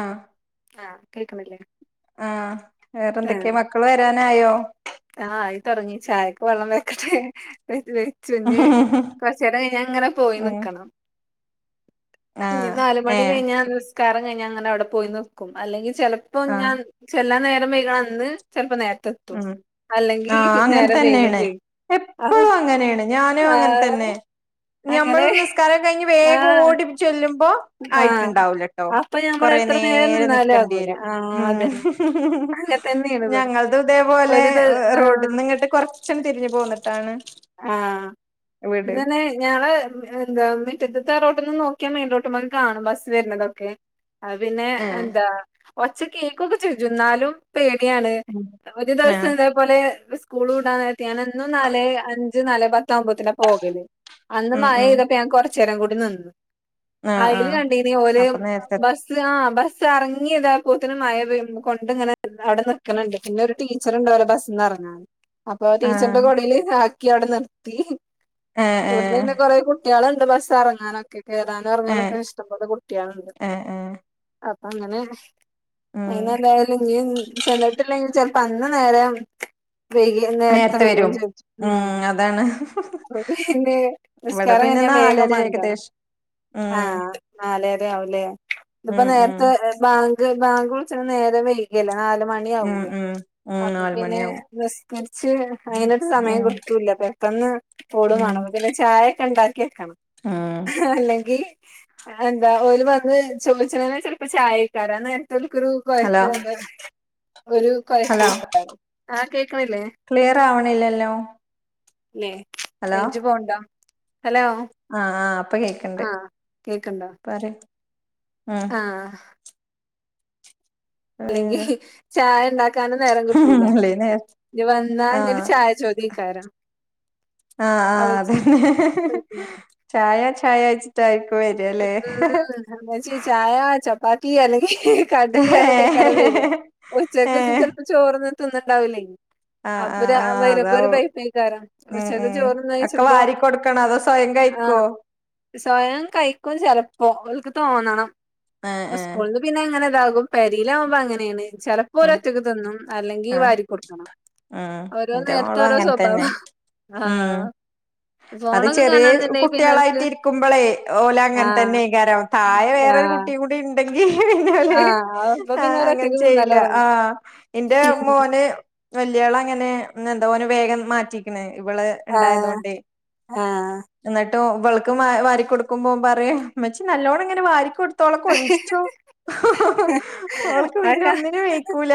ആഹ് ആഹ് കേൾക്കുന്നില്ലേ ആഹ് വേറെന്തൊക്കെയാ മക്കള് വരാനായോ ആഹ് ആയി തൊടങ്ങി ചായക്ക് വെള്ളം വെക്കട്ടെ പെയ്ത്തില് ച്ചുഞ്ഞ് കൊറച്ചേരം കഴിഞ്ഞാ അങ്ങനെ പോയി ഉം നിക്കണം ഇഞ്ഞി ആഹ് നാല് മണി ഏഹ് കഴിഞ്ഞാ നിസ്കാരം കഴിഞ്ഞാ അങ്ങനെ അവിടെ പോയി നിക്കും അല്ലെങ്കി ചെലപ്പോം ആഹ് ഞാൻ ചെല്ലാൻ നേരം വൈകണ അന്ന് ചെലപ്പോ നേര ഉം ആഹ് അങ്ങനെ തന്നെ വൈകും ആണ് ചെയ്യും അപ്പൊ എപ്പളും അങ്ങനെയാണ് ഞാനും അങ്ങനെ തന്നെ ആഹ് അങ്ങനെ ഞമ്മള് നിസ്കാരം കഴിഞ്ഞ് വേഗം ആഹ് ഓടി ചെല്ലുമ്പോ ആഹ് ആയിട്ടുണ്ടാവൂലാ ട്ടോ അപ്പൊ ഞമ്മള് കൊറേ എത്ര നേരം നിന്നാലും നിക്കണ്ടി ആകൂല യരും ആഹ് അതന്നെ ഉം അങ്ങനെ തന്നെയാണ് ഇവിടെ ഞങ്ങ ഇതേപോലെ ഒരു ദി ആഹ് റോട്ട്ന്ന് ഇങ്ങട്ട് കൊറച്ചൊന്ന് തിരിഞ്ഞ് പോന്നിട്ടാണ് ആഹ് വീട് ഇതന്നെ ഞങ്ങള് എന്താ മിറ്റത്തത്തെ റോട്ട്ന്ന് നോക്കിയാ മെയിൻ റോട്ട്മ്മേക്ക് കാണും ബസ്സ് വരുണതൊക്കെ ആഹ് പിന്നെ ഏഹ് എന്താ ഒച്ച കേക്കൊക്കെ ചെജ്ജും ന്നാലും പേടിയാണ് ഒരു ആഹ് ദിവസം ഇതേപോലെ സ്കൂളു വിടാന്നേരത്ത് ഞാൻ എന്നും നാലേ അഞ്ച് നാലേ പത്താകുമ്പത്തിനാ പോകല് അന്ന് ഉം മഴ ഉം പെയ്തപ്പോ ഞാൻ കൊറച്ച്നേരം കൂടി നിന്നു ആഹ് അയ്ല് ആഹ് കണ്ടീനി ഓല് അപ്പൊ നേരത്തെ ബസ് സ് ആഹ് ബസ് എറങ്ങിയതാപോലെത്തന്നെ മഴ പെയ്യുമ്പോ കൊണ്ട് ഇങ്ങനെ അവിടെ നിക്കണണ്ട് പിന്നെ ഒരു ടീച്ചറുണ്ടവരെ ബസ്ന്ന് എറങ്ങാൻ അപ്പൊ ആഹ് ടീച്ചറിന്റെ കൊടേല് ആക്കി അവിടെ നിർത്തി ഏഹ് ഇവിടുന്ന് ഏഹ് പിന്നെ കൊറെ കുട്ട്യോളുണ്ട് ബസ് ഇറങ്ങാനൊക്കെ കേറാനും ഏഹ് ഇറങ്ങാനൊക്കെ ഇഷ്ടംപോലെ കുട്ടികളുണ്ട്. ഏഹ് ഏഹ് അപ്പൊ അങ്ങനെ ഉം അങ്ങനെ എന്തായാലും ഇനീം ചെന്നിട്ടില്ലെങ്കിൽ ചെ ലപ്പ അന്ന് നേരം വൈകി നേരത്തെ വര്വോം ചോയ്ച്ചു ഉം അപ്പൊ പിന്നെ ഇവിടെ നിസ്കാരം പിന്നെ കഴിഞ്ഞാ നാലര വേഗം [unintelligible] ഏകദേശം ഉം ആഹ് നാലര ആവൂലേ ഇതിപ്പോ ഉം ഉം നേരത്തെ ബാങ്ക് ബാങ്ക് വിളിച്ചണ നേരം വൈകിയല്ലോ നാല് മ ഉം ണിയാവൂലേ ഉം ഉം അപ്പൊ നാല് പിന്നെ മണിയാവും നിസ്കരിച്ച് അങ്ങനെക്കെ സമയം ഉം കൊറേ ല്ല പെട്ടെന്ന് ഓടൂം ഉം വേണം അപ്പ പിന്നെ ചായയൊക്കെ ഉണ്ടാക് ക്കിവെക്കണം ഉം അല്ലെങ്കി എന്താ ഓല് വന്ന് ചോദിച്ചണതന്നെ ചിലപ്പോ ആ നേരത്തോൽക്കൊരു കൊയക്ക ഹലോ എന്താ ഒരു കൊയക്കായികാരം ആഹ് കേക്കണില്ലേ? ക്ലിയറാവണില്ലല്ലോ. ല്ലേ റേഞ്ച് പോവണ്ടോ ഹലോ? ആഹ് ആഹ് ഇപ്പം കേക്കണ്ട് ആഹ് കേക്ക്ണ്ടോ പറയ് ഉം ആഹ് അല്ലെങ്കി വേറെ ചായ ഉണ്ടാക് ക്കാനും നേരം കിട്ടൂല അല്ലേ നേര ഇനി വന്നാ ഇന്യൊരു ആഹ് ചായ ചോദ്യക്കാരം. ആഹ് ആഹ് അതന്നെ ഉം ചായ ചായോച്ചിട്ടാരിക്കും വര്വല്ലെ ഉമ്മച്ചി ചായ ചപ്പാത്തി അല്ലെങ്കി കടി എന്നിട്ടിക്കാരം വര്വ ഏഹ് ഉച്ചക്ക് ഏഹ് ചെൽപ്പൊ ചോറൊന്നും തിന്ന്ണ്ടാവൂല്ലേ. ആഹ് അപ്പൊ ആഹ് ഒരു ആഹ് വെരമ്പ ഒരു അതാവും പൈപ്പ് കാരം ഉച്ചക്ക് ചോറ്ന്നോയിച്ചപ്പൊ- ക്കണൊ അതൊ സ്വയങ്കയിക്കൊ സ്വയം കയിക്കും ചെലപ്പൊ അവൽ ക്ക് തോന്നണം ആഹ് ആഹ് സ്കൂളിന്ന് പിന്നെ ഇങ്ങനെ ഇതാകും പെരീല് ആവുമ്പൊ അങ്ങനേണ് ചെല പ്പൊ ആഹ് വരൊറ്റക്ക് തിന്നും അല്ലെങ്കി ആഹ് വാരി കൊടുക്കണം ആഹ് ഓരോ എന്റെ നേരത്ത് മോളും ഓരോ അങ്ങനെ തന്നെ സ്വബാവാ ഉം ആഹ് ഫോണൊക്കെ കാണാണാന്നൊണ്ടെങ്കി പിന്നെ എനക്ക് ക്കുമ്പളേ ഓല് അങ്ങനെത്തന്നേക്കാരം തഴെ വേറൊരു ആഹ് കുട്ടീംകൂ ടിണ്ടെങ്കി ആഹ് അപ്പൊ പിന്നെ അങ്ങനെ ഓലൊറ്റക്ക് ചെ- യ്യില്ല തിന്നലൊടങ്ങും ആഹ് ന്റെ മോന്- വല്യാള് അങ്ങനെ ഇന്ന്ന്തോ ഓന് വേഗം മാറ്റിക്ക്ണ് ഇവള്- ആഹ് ണ്ടായതോണ്ടേ. ആഹ് ന്നിട്ട് ഇവൾക്കും വാ വാരി കൊടുക്കുമ്പോം പറയും ഉമ്മച്ചി നല്ലോണം ഇങ്ങനെ വാരിക്കൊടു- ത്തോള കൊഞ്ചിച്ചോ അവൾക്ക് അത് പിന്നെ ഞാ ഒന്നി- നും വെക്കൂല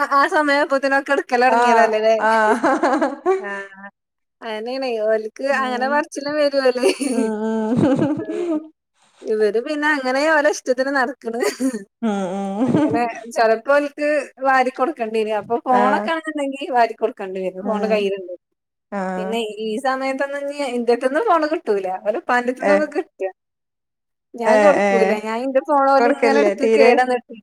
ആഹ് ആഹ് സമയാപ്പത്തിനകെടുക്കലൊ ആഹ് ടങ്ങിയതാല്ലേ ആഹ് ആഹ് ആഹ് അങ്ങനേണെ ഓല്ക്ക് അങ്ങനെ ഉം പറച്ചിലും വരുവല്ലെ ഉം ഉം ഇവര് പിന്നെ അങ്ങനേ ഓല ഇഷ്ടത്തിന് നടക്ക്ണ് ഉം ഉം അങ്ങനെ ചെലപ്പൊ ഴ് വാരി കൊടുക്കണ്ടീന് അപ്പൊ ആഹ് ഫോണൊക്കെ ആണുണ്ടെങ്കി വാരികൊടു കണ്ടി വരും ഫോണ് ഉം കയ്യില്ണ്ട് ആഹ് പിന്നെ ഈ- സമയത്തൊന്നും ഇനി ഇന്റട്ടെന്ന് ഫോണ് കിട്ടൂല. ഓലെ ഉപ്പാന്റെ ഏഹ് ടുത്ത്ന്നാണ് കിട്ട ഞാൻ ഏഹ് ഏഹ് കൊടുക്കൂല ഞാഇന്റെ ഫോണ് ഓല് ഇങ്ങനെ കൊടുക്കലില്ലേ എടുത്ത് തീരെ കേടന്നിട്ടേ-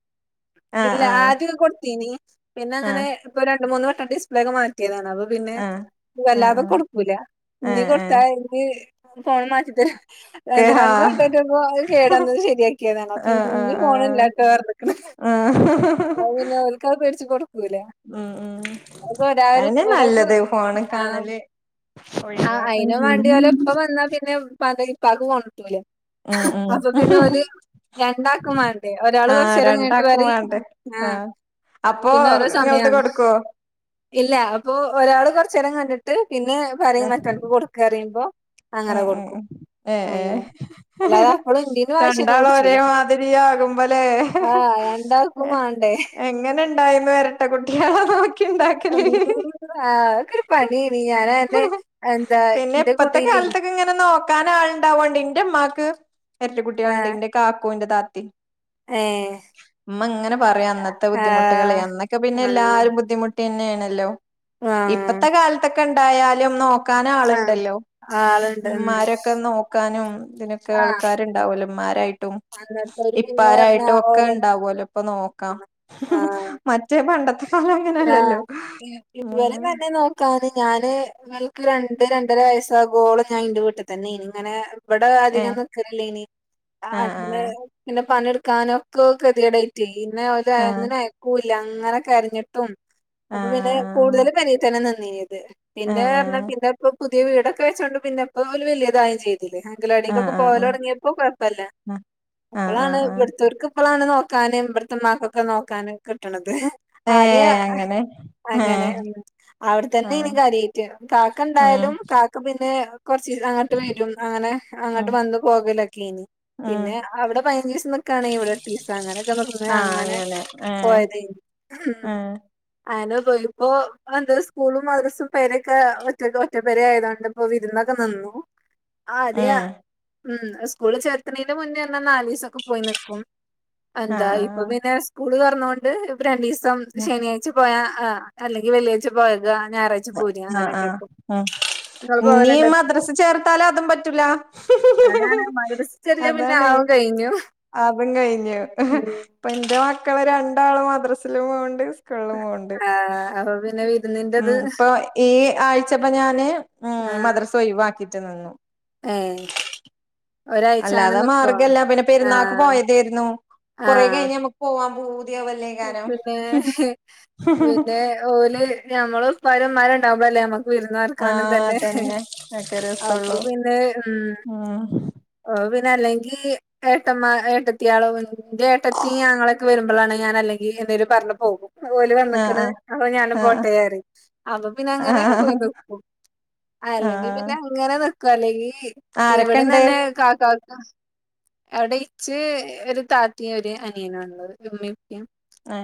ആഹ് ഇല്ല ആഹ് ആദ്യം കൊടുത്തീനി പിന്നങ്ങനെ ആഹ് ഇപ്പൊ രണ്ട് മൂന്ന് വട്ടം ഡിസ്പ്ലേക്കെ മാറ്റിയതാണ് അത്- പിന്നെ ആഹ് വല്ലാതെ ആഹ് ആഹ് കൊടുക്കൂല ന്നി ഏഹ് കൊടുത്താ ഏഹ് ഇന്നി ഫോൺ മാറ്റിതര കേ വേണ്ട രണ്ടു ആഹ് വട്ടോക്കെ കേടന്നത് ശെരിയാക്കിയതാണ് അപ്പം ആഹ് ഇന്നി ആഹ് ഫോണില്ലാട്ടോ പറഞ്ഞ് ആഹ് ഇക്കായ പേടിച്ച് എങ്ങോട്ടും പോവൂല ഉം ഉം അതന്ന്യ ഒരാൾക്ക് നല്ലത് ഫോണി കാണല്. ആ- ഒഴിവാക്കേം [unintelligible] മന്തക്ക് പഗുക വണുട്ട വല്ലെ [unintelligible] [unintelligible] ആഹ് ആഹ് രണ്ടാക്കുമാണ്ടേ ഒരാള് കൊറച്ചേരം കഴിഞ്ഞിട്ട് രണ്ടാക്കും പറയും വേണ്ടേ ആഹ് അപ്പൊ പിന്നെ ഓരോ ഇങ്ങൾത് സമയാണ് കൊടുക്കോ ഇല്ല അപ്പൊ ഒരാള് കൊറച്ചേരം കണ്ടിട്ട് പിന്നെ പറയും മറ്റോൾക്ക് കൊടുക്ക് പറയുമ്പൊ- ഉം ഉം ഉം ഏഹ് അല്ലാതെ ഏഹ് അപ്പോഴും ഇന്ത്യന് വാശിയൊന്നും രണ്ടാളും പിടിച്ചില്ല ഒരേമാതിരി ആകുമ്പലേ ആ രണ്ടാക്കും വാണ്ടേ എങ്ങനെണ്ടായീന്നറഞ്ഞിട്ട കുട്ടിയള നോ- ആഹ് അതൊക്കെ ഒരു പണിയാണി ഞാനാന്നെ ഇണ്ടാക്കല് എന്താ പിന്നെ ന്റെ ഇപ്പത്തെ കുടിയിലെ- കാലത്തൊക്കെ ഇങ്ങനെ നോക്കാനാളുണ്ടാവോണ്ട് ഇന്റെമ്മാക്ക് എരട്ട ആ കുട്ടിയളുണ്ട് ഇന്റെ കാക്കു ന്റെ താത്തി ഏഹ് ഉമ്മ ഇങ്ങനെ പറയും അന്നത്തെ ആ ബുദ്ധിമുട്ടുകള് അന്നൊക്കെ പിന്നെ അന്ന് എല്ലാരും ബുദ്ധിമു- പിന്നെയേണല്ലോ ആ ഇപ്പത്തെ കാലത്തൊക്കെ ഇണ്ടായാലും നോക്കാൻ ആള്ണ്ടല്ലോ ആള് ഇമ്മരൊക്കെ നോക്കാനും ഇതിനൊക്കെ ആ ആൾക്കാരുണ്ടാവല്ലോ ഇമ്മാരായിട്ടും അന്നത്തോര് പിന്നെ പറഞ്ഞാ ഇപ്പാരായിട്ടും ഒക്കെ ഓലെന്നെ ഇണ്ടാകോല്ലോ ഇപ്പൊ നോക്കാം മറ്റേ പണ്ടത്തെ കാലം ആഹ് അങ്ങനെയല്ലല്ലോ ഇത് വരെ നല്ല [unintelligible] ക്കാന് ഞാന് ഇവൽക്ക് രണ്ട് രണ്ടര വയസ്സാഗോളം ഞാൻ ഇന്റെ വീട്ടിൽ തന്നെ എയ്നി ഇങ്ങനെ ഇവടെ അധികം ഏഹ് നി ക്കല് ല്ലേനി ആഹ് അന്ന് ആഹ് പിന്നെ പണിട്ക്കാന് ഒക്കെ കെതിയേടായ്റ്റയ് [unintelligible] ഇത ആഹ് ഒന്നിനും അയ്ക്കൂല്ല ഇങ്ങനെ കര്ഞ്ഞിട്ടും ആഹ് അപ്പൊ പിന്നെ കൂടുതല് പെരിതന്നെ നിന്നീനിയത് ആഹ് ആഹ് പിന്നെ പർഞ്ഞാ പിന്നെ ഇപ്പ പുതിയ വീടൊക്കെ വെച്ചോണ്ട് പിന്നെപ്പോ വലിയതായും ചെയ്തു [unintelligible] ആഹ് അങ്കലവാടിക്കൊക്കെ ആഹ് ആഹ് ആഹ് പോവല് ആഹ് തൊടങ്ങിയപ്പോ കൊഴ്പ്പല്ല ആഹ് അപ്പളാണ് ആഹ് ആഹ് ഇവട്ത്തോര്ക്ക് ഇപ്പളാണ് നോക്കാന് ഇവട്ത്തമ്മാക്കൊക്കെ നോക്കാന് കിട്ട്ണത് ഏ ആദ്യേ അങ്ങനെ ഏ അങ്ങനേണ് ആഹ് അവ്ടെത്തന്നെയ്നി കാര്യായ്റ്റ് ഉം കാക്കണ്ടായാലും കാക്ക പിന്നെ കൊർച്ചീസം അങ്ങട്ട് വരും അങ്ങനെ ഉം അങ്ങട്ട് വന്ന് പോകല് ഒക്കെ ഏനി ഉം പിന്നെ അവിടെ പയ്നഞ്ചീസം നിക്കാണേ ഇവടെ എട്ടീസം അങ്ങനെയൊക്കെ നിന്ന് അങ്ങനെ ഏഹ് ഉം അയന്നെ പോയിപ്പോ എന്ത് സ്കൂളും മദ്രസും പെരൊക്കെ ഒറ്റ പെര ആയതോണ്ട് ഇപ്പൊ വിരുന്നൊക്കെ നിന്നു [unintelligible] ആ അതെയ ഉം സ്കൂള് ചേർത്ത്ണിന്റെ മുന്നേ അർഞ്ഞ നാലീസൊക്കെ പോയി നിക്കും എന്താ ഇപ്പൊ ആഹ് പിന്നെ സ്കൂള് തൊർന്നോണ്ട് ഇപ്പം രണ്ടീസം ആഹ് ശനിയാഴ്ച പോയാ ആ അല്ലെങ്കിൽ വെള്ളിയാഴ്ച പോയക ഞായർ അഹ് ആഹ് ഉം ഇങ്ങള് ഇനി പോവലുണ്ടോ? മദ്രസ് ചേർത്താല് അതും പറ്റൂല അതാണ് മദ്രസ ചെറിയ പിന്നെ അതാണ് ആവും കഴിഞ്ഞു. അതും കഴിഞ്ഞു ഉം ഇപ്പന്റെ മക്കള് രണ്ടാളും മദ്രസിലും പോവ്ണ്ട്. സ് കൂൾളും പോവ്ണ്ട് ആഹ് അപ്പൊ പിന്നെ ഉം വിരുന്നിന്റത് ഇപ്പൊ ഈ ആഴ്ചപ്പ ഞാന് ഉം ആഹ് മദ്രസ ഒഴിവാക്കിട്ട് നിന്നു ഏഹ് ഒരാഴ്ച അങ്ങനെ അല്ലാതെ നിക്കോ? മാർഗ്ഗല്ല പിന്നെ പെരുന്നാൾക്ക് ആഹ് പോയതേയ്രുന്നു കൊറേ ആഹ് കഴിഞ്ഞ നമ്മക്ക് പോവാൻ പൂതി ആവ ല്ലേ കാരം പിന്നെ പിന്നെ ഓല് നമ്മള് ഇപ്പാരും ഇമ്മാരുംണ്ടാവുമ്പള് അല്ലേ നമ്മക്ക് ആ വിരുന്നാർക്കാനും തന്നെ അതന്നെ ഒക്കെ അപ്പൊ രസള്ളൂ പിന്നെ ഉം ഉം ഓഹ് പിന്നല്ലെങ്കി ഏട്ടമ്മാ ഏട്ടത്തിയാളും ഇന്റേട്ടത്തി ആങ്ങളയൊക്കെ വരുമ്പളാണ് ഞാൻ അല്ലെങ്കി എന്തേലും പർഞ്ഞ് പോകും ഓല് ആ ആ വന്ന്ക്ക്ണ് അപ്പൊ ഞാനും ആ പോട്ടേ പറയും അപ്പൊ പിന്നങ്ങനെ ആ പോയിന്ക്കും ആ അല്ലെങ്കി പിന്നങ്ങനെ നിക്കും അല്ലെങ്കി ഇവടിം ആരൊക്കെണ്ട് തന്നെ കാക്കാക്ക് അവിടെ ഇച്ച് ഒരു താത്തിം ഒരു അനിയനു ആ ഉള്ളത് ഉമ്മിം ഉപ്പിം ആ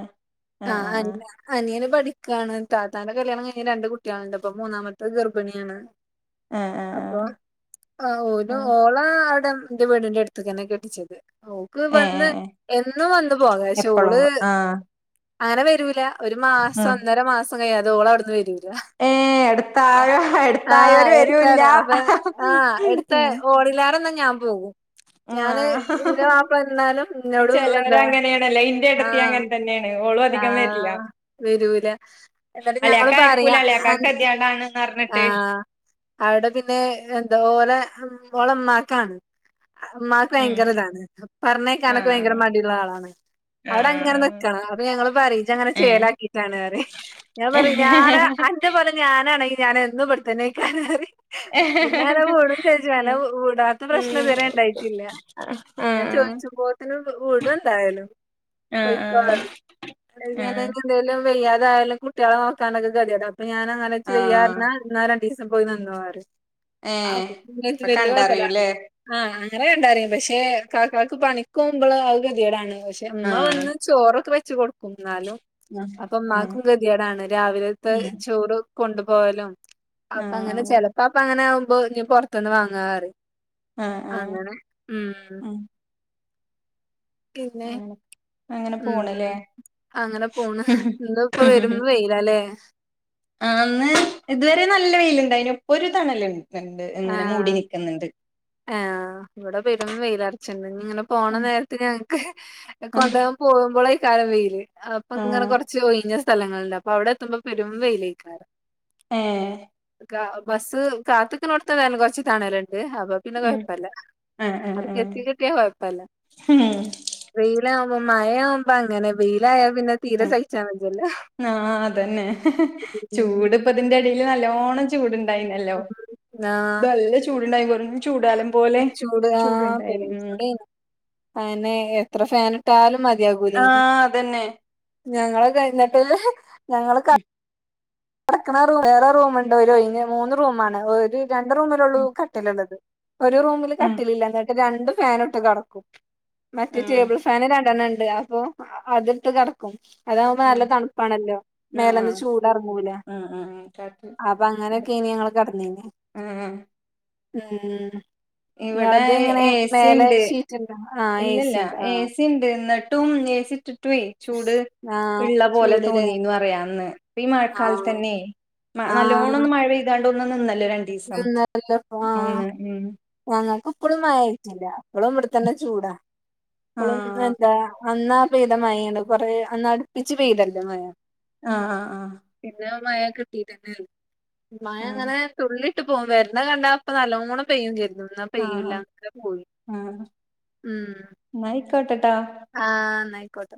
ആ ആഹ് ആ അനിയ അനിയൻ പഠിക്കാണ് താത്താന്റെ കല്യാണം കഴിഞ്ഞ് രണ്ട് കുട്ടിയാള്ണ്ട്പ്പൊ മൂന്നാമത്തെ ഗർഭിണിയാണ് ഏഹ് ഏഹ് അപ്പൊ ആഹ് ഓന് ഓളെ ആടെ എന്റെ വീടിന്റട്ത്ത്ക്കെന്നെ കെട്ടിച്ചത് ഓഹ് ക്ക് ഏ വന്ന് ഏ എന്നും വന്ന് പോക എപ്പളും പക്ഷോള് ആ അങ്ങനെ വരൂല ഒരു ആ മാസം ഒന്നര മാസം കഴിയാതെ ഓളവിടുന്ന് വരൂല്ല ഏഹ് എട്ത്തായ ആഹ് എട്ത്തായവര് വരൂല്ല എടുത്താണ് അപ്പ ആഹ് എടുത്ത ഓളിലാറെന്നാ ഞാൻ പോകും. ഞാന് ആഹ് ഇന്റെ മാപ്പള എന്നാലും ഇന്നോട് എന്താ ചെലോരങ്ങനെയാണ് ഇ ന്റെട്ടത്തി ആഹ് അങ്ങനെത്തന്നെയാണ് ഓളു അധികം വരില്ല ആഹ് വരൂല എന്നിട്ട് ഞങ്ങള് അളിയാക്ക അയക്കൂല പറയാ അളിയാക്ക കെദ്യായാടാണ്ന്നറഞ്ഞ്ട്ട് ആഹ് അവിടെ പിന്നെ എന്താ ഓലെ ഓളുമ്മാക്കാണ് ഉമ്മാക്ക് ഉം ഭയങ്കര ഇതാണ് പറഞ്ഞേക്കാനൊക്കെ ഭയങ്കര ആഹ് മടിയുള്ളാളാണ് അവിടങ്ങനെ ആഹ് നിക്കണം അപ്പൊ ഞങ്ങള് പറയും ഇജ്ജങ്ങനെ ഏഹ് ചേലാക്കിട്ടാണ് പറയും ഞാൻ പറയും ഞാന് അന്റെ പോലെ ഞാനാണെങ്കി ഞാൻ എന്നും ഇവിടത്തന്നായിക്കാരും പറയും ഇന്നാങ്ങനെ വിടും ചെയ്യും ഇന്നെ ഉം വിടാത്ത പ്രശ്നം ഉം ഇതുവരെ ഇണ്ടായിട്ടില്ല ഞാൻ ആഹ് ചോയിച്ചുമ്പോത്തിനും വ്ടും എന്തായാലും പൊയിക്കോ ആഹ് പറയും ആഹ് ഞാനെങ്ങനേലും വെയ്യാതായാലും കുട്ടികളെ നോക്കാനൊക്കെ ഗതിയെടാ അപ്പൊ ഞാനെങ്ങനെച്ച് വയ്യാറഞ്ഞ ആഹ് എന്നാ രണ്ട് ദിവസം പോയിനിന്നോ പറയും ഏഹ് ഉം എനിക്ക് അപ്പൊ വല്യ കൊയപ്പില്ല കണ്ടറിയൂല്ലേ ആഹ് അങ്ങനെ കണ്ടാറയും പക്ഷെ ഇക്കാക്കാക്ക് പണിക്കോകുമ്പള് ആകെ ഗതികേടാണ് പക്ഷെ ഉമ്മ ആഹ് വന്ന് ചോറൊക്കെ വെച്ച് കൊട്ക്കും എന്നാലും ഉം അപ്പുമ്മാക്കും ഗതികേടാണ് രാവിലത്തെ ഉം ചോറ് കൊണ്ട് പോകലും അപ്പങ്ങനെ ആഹ് ചെലപ്പൊ അപ്പങ്ങനാകുമ്പൊ ഇഞ്ഞ് പൊറത്ത്ന്ന് വാങ്ങാ പറയും ആഹ് ആഹ് അങ്ങനെ ഉം പിന്നെ അങ്ങനെ അങ്ങനെ ഉം പോണ്ല്ലേ അങ്ങനെ പോണ് ഇന്ന്പ്പൊ പെരും വെയ്ല് ഇല്ലാലേ ആഹ് ഇന്ന് ഇതുവരെ നല്ല വെയില്ണ്ടായിന്നു ഇപ്പൊരു തണല് ഇങ്ങനെ ആഹ് മൂടി നിക്ക്ന്ന്ണ്ട് ആഹ് ഇവിടെ പെരും വെയിലെറിച്ച്ണ്ട് ഇങ്ങനെ പോണ നേരത്ത് ഞങ്ങൾക്ക് കൊണ്ടൊവാൻ പോകുമ്പൊളായിക്കാരും വെയില് ആ അപ്പ്ങ്ങനെ കൊറച്ച് ഒയിഞ്ഞ സ്ഥലങ്ങള്ണ്ട് അപ്പൊ അവിടെയെത്തുമ്പൊ പെരും വെയിലായിക്കാരം ഏഹ് ബസ്സ് കാത്ത്ക്ക്ണോടത്ത് ഏതാലും കൊറച്ച് തണല്ണ്ട് അപ്പൊ പിന്നെ ഉം കൊഴപ്പല്ല ആ ആ ആ അവ്ടക്കെത്തിക്കിട്ടിയാ കൊഴപ്പല്ല വെയിലാകുമ്പൊ മഴയാവുമ്പങ്ങനെ വെയിലായാ പിന്നെ തീരെ ആഹ് സഹിച്ചാൻ വജ്ജല്ലോ ആഹ് അതന്നെ ചൂട് ഇപ്പതിന്റെടേല് നല്ലോണം ചൂട്ണ്ടായിന്നല്ലോ ആഹ് നല്ല ചൂട്ണ്ടായി വെറും ചൂട്കാലം ചൂട് ആഹ് പെരും ചൂടേനി അയെന്നെ എത്ര ഫാന്ട്ടാലും ആ മതിയാകൂലയ്ന്ന് അതന്നെ ഞങ്ങള് കഴിഞ്ഞിട്ട് ഞങ്ങള് ക ടക്ക്ണ റൂം വേറെ റൂമ്ണ്ട് ഒരു ഒയിഞ്ഞ മൂന്ന് റൂമാണ് ഒരു രണ്ട് റൂമിലൊള്ളൂ ഉം കട്ടിലുള്ളത് ഒരു റൂമില് ഉം കട്ടിലില്ല ഇന്നിട്ട് രണ്ട് ഫാന്ട്ട് കടക്കും മറ്റെ ഉം ടേബിൾ ഫാന് രണ്ടെണ്ണം ഉണ്ട് അപ്പൊ അത്ട്ട് കിടക്കും അതാകുമ്പോ ആ നല്ല തണുപ്പാണല്ലോ ആ മേലന്ന് ചൂടർ കൂല ആ ആ കാറ്റ് അപ്പൊ അങ്ങനെക്കെനി ഞങ്ങൾ കെടന്നീനി ആ ഉം ഇവിടെ നിങ്ങളത് ഇങ്ങനെ എ സി മേലെ ഉണ്ട് ഷീറ്റ്ണ്ട ആഹ് ഇല്ലല്ല ഏ സി ണ്ട് ന്നിട്ടും ഏസി ഇട്ടിട്ടും ചൂട് ആ ഇള്ള പോലെ ചൂടല്ലേ തോന്നിന്ന് പറയാന്ന് ഈ ആ മഴക്കാലത്ത് തന്നെ ആ നല്ലോണ്ണം ഒന്ന് മഴ പെയ് താണ്ട് ഒന്ന് നിന്നല്ലോ ര നിന്നല്ലോ ആഹ് ഞങ്ങൾക്ക് ഇപ്പളും മഴ ആട്ടില്ല ഇപ്പളും ഇവിടെത്തന്നെ ചൂട ഇപ്പളും ആഹ് എന്താ അന്നാ പെയ്ത മയേണ് കുറെ അന്നടുപ്പിച്ച് പെയ്തല്ലോ മയ ആഹ് ആഹ് ആഹ് പിന്നെ ആ മയ കിട്ടീട്ടെന്നെ ഇല്ല മയ ആഹ് അങ്ങനെ ലിട്ട് പോക വരുന്ന കണ്ടാ അപ്പോ നല്ലോണം പെയ്യും കരുതും എന്നാ ആഹ് ആഹ് പെയ്യൂല പോയി ഉം നായിക്കോട്ടെട്ടോ ആഹ് എന്നായിക്കോട്ടെ